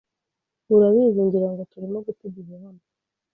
Urabizi, ngira ngo turimo guta igihe hano.